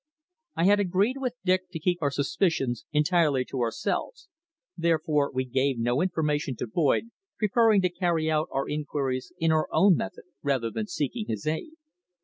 I had agreed with Dick to keep our suspicions entirely to ourselves, therefore we gave no information to Boyd, preferring to carry out our inquiries in our own method rather than seeking his aid.